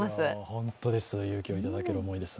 本当です、勇気をいただけます。